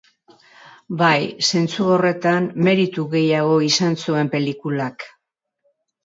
Bai, zentzu horretan meritu gehiago izan zuen pelikulak.